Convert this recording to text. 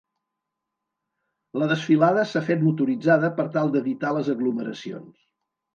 La desfilada s’ha fet motoritzada per tal d’evitar les aglomeracions.